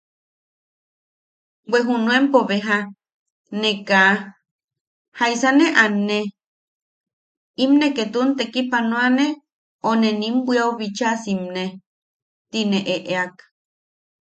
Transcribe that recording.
Bwe junuenpo beja, ne kaa... “¿jaisa ne anne?” “¿im ne ketun tekipanoane o ne nim bwiaʼu bichaa siimne?” ti ne eʼeak.